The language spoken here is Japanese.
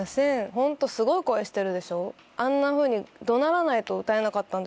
ホントすごい声してるでしょ？